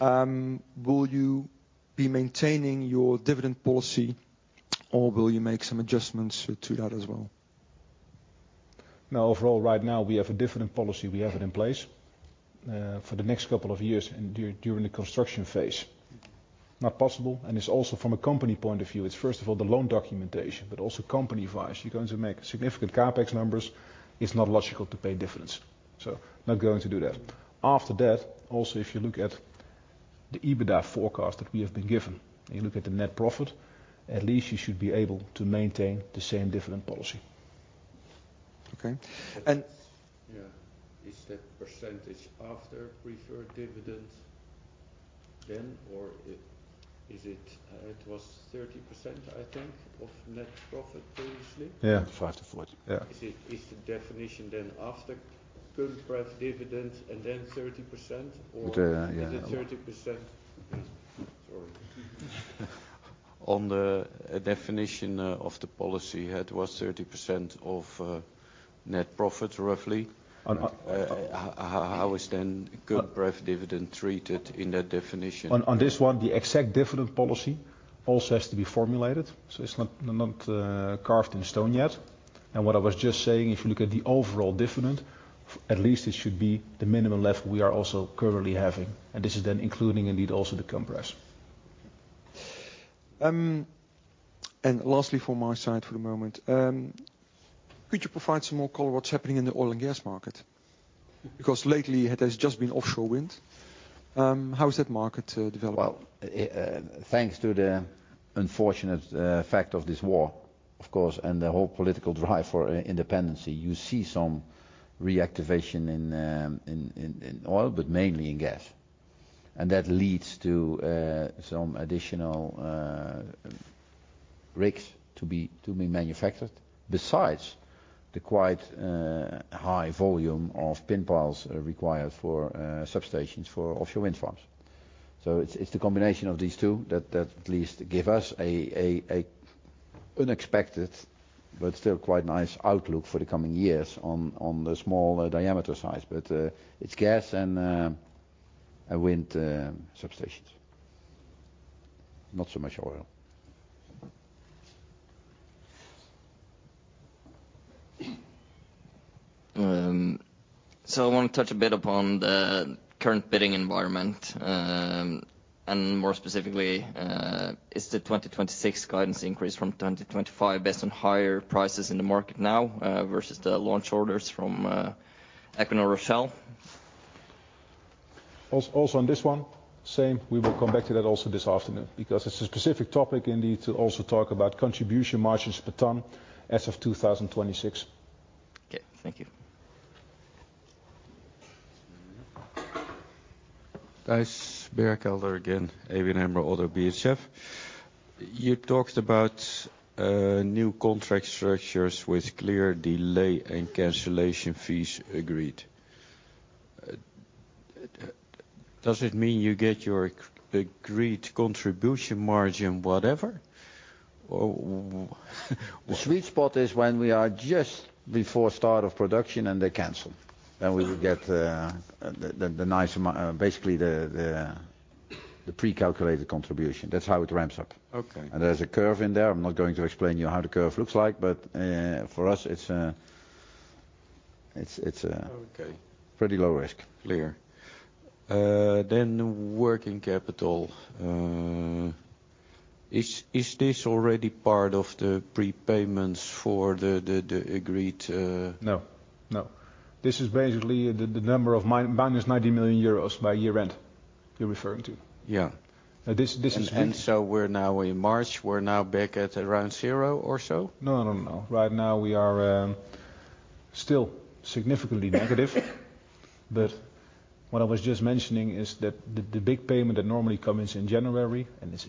Speaker 6: will you be maintaining your dividend policy, or will you make some adjustments to that as well?
Speaker 2: No. Overall, right now, we have a dividend policy. We have it in place for the next couple of years and during the construction phase. Not possible, and it's also from a company point of view. It's first of all the loan documentation, but also company-wise, you're going to make significant CapEx numbers. It's not logical to pay dividends. Not going to do that. After that, also, if you look at the EBITDA forecast that we have been given, and you look at the net profit, at least you should be able to maintain the same dividend policy.
Speaker 6: Okay.
Speaker 1: Yeah. Is that percentage after preferred dividends then? Or is it... It was 30%, I think, of net profit previously.
Speaker 2: Yeah.
Speaker 6: 5%-40%. Yeah. Is it, is the definition then after cum pref dividend and then 30%?
Speaker 2: The, yeah.
Speaker 6: Is it 30%? Sorry. On the definition of the policy, it was 30% of net profit, roughly.
Speaker 2: On.
Speaker 6: How is cum pref dividend treated in that definition?
Speaker 2: On this one, the exact dividend policy also has to be formulated, so it's not carved in stone yet. What I was just saying, if you look at the overall dividend, at least it should be the minimum level we are also currently having. This is then including indeed also the cum pref.
Speaker 6: Lastly from my side for the moment, could you provide some more color what's happening in the oil and gas market? Lately it has just been offshore wind. How is that market developing?
Speaker 1: Thanks to the unfortunate fact of this war, of course, and the whole political drive for independency, you see some reactivation in oil, but mainly in gas. That leads to some additional rigs to be manufactured, besides the quite high volume of pin piles required for substations for offshore wind farms. It's the combination of these two that at least give us a unexpected, but still quite nice outlook for the coming years on the smaller diameter size. It's gas and wind substations. Not so much oil.
Speaker 6: I wanna touch a bit upon the current bidding environment, and more specifically, is the 2026 guidance increase from 2025 based on higher prices in the market now, versus the launch orders from Equinor Rosebank?
Speaker 2: Also on this one, same, we will come back to that also this afternoon, because it's a specific topic indeed to also talk about contribution margins per ton as of 2026.
Speaker 6: Okay. Thank you.
Speaker 4: Thijs Berkelder again, ABN AMRO ODDO BHF. You talked about new contract structures with clear delay and cancellation fees agreed. Does it mean you get your agreed contribution margin, whatever? Or...
Speaker 1: The sweet spot is when we are just before start of production and they cancel, then we will get, the nice basically the pre-calculated contribution. That's how it ramps up.
Speaker 4: Okay.
Speaker 1: There's a curve in there. I'm not going to explain you how the curve looks like, but for us, it's.
Speaker 4: Okay.
Speaker 1: Pretty low risk.
Speaker 4: Clear. Working capital? Is this already part of the prepayments for the agreed?
Speaker 2: No, no. This is basically the number of -90 million euros by year-end you're referring to.
Speaker 4: Yeah.
Speaker 2: This is.
Speaker 4: We're now in March, we're now back at around zero or so?
Speaker 2: No, no. Right now we are still significantly negative. What I was just mentioning is that the big payment that normally comes in January,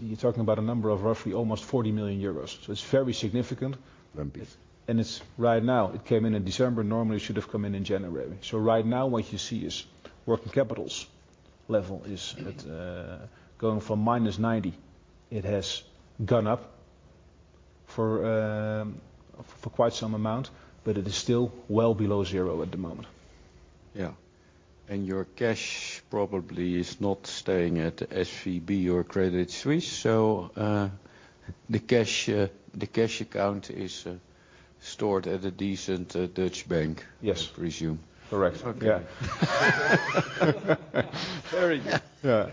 Speaker 2: you're talking about a number of roughly almost 40 million euros. It's very significant.
Speaker 1: Lumpy.
Speaker 2: Right now, it came in in December. Normally, it should have come in in January. Right now what you see is working capital's level is at, going from -90. It has gone up for quite some amount, but it is still well below 0 at the moment.
Speaker 4: Yeah. Your cash probably is not staying at SVB or Credit Suisse. The cash account is stored at a decent, Dutch bank.
Speaker 2: Yes.
Speaker 4: I presume.
Speaker 2: Correct.
Speaker 4: Okay.
Speaker 2: Very good.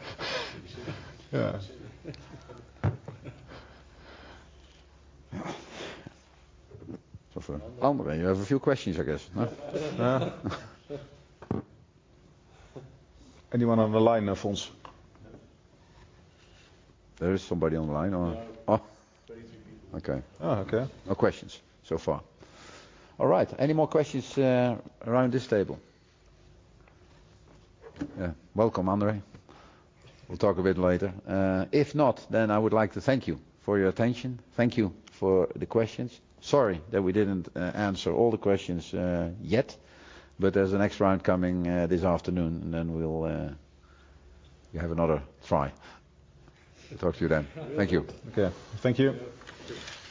Speaker 1: For Andre, you have a few questions, I guess, no?
Speaker 2: Anyone on the line, Fons?
Speaker 1: There is somebody on the line or. Oh.
Speaker 4: 20 people.
Speaker 1: Okay.
Speaker 2: Oh, okay.
Speaker 1: No questions so far. All right. Any more questions around this table? Yeah. Welcome, Andre. We'll talk a bit later. If not, I would like to thank you for your attention. Thank you for the questions. Sorry that we didn't answer all the questions yet. There's a next round coming this afternoon. We'll you have another try. Talk to you then. Thank you.
Speaker 2: Okay. Thank you.
Speaker 4: Yeah.